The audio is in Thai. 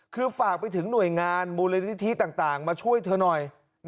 คือฝากไปถึงหน่วยงานบริษัทมาช่วยเธอหน่อย